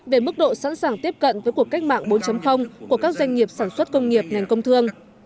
về mức độ sẵn sàng tiếp cận với cuộc cách mạng bốn của các doanh nghiệp sản xuất công nghiệp ngành công thương